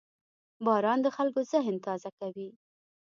• باران د خلکو ذهن تازه کوي.